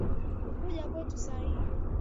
Kuja kwetu sa hii